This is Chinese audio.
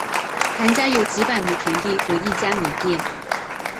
谭家有几百亩田地和一家米店。